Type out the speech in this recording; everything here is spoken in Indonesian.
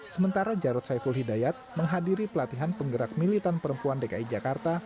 sementara jarod saiful hidayat menghadiri pelatihan penggerak militan perempuan dki jakarta